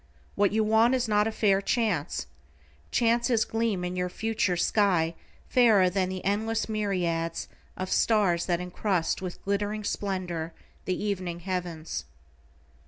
What you want is not a fair chance, chances gleam in your future sky fairer than the endless myriads of stars that encrust with glittering splendor the evening heavens.